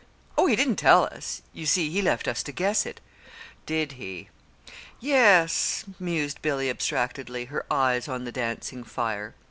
"Oh, he didn't tell us. You see he left us to guess it." "Did he?" "Yes," mused Billy, abstractedly, her eyes on the dancing fire.